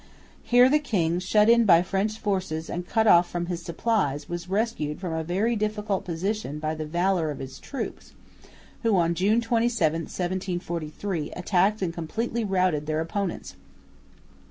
Here the king, shut in by French forces and cut off from his supplies, was rescued from a very difficult position by the valour of his troops, who on June 27, 1743 attacked and completely routed their opponents.